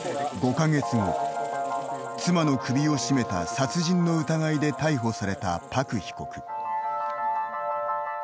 ５か月後、妻の首を絞めた殺人の疑いで逮捕された朴被告。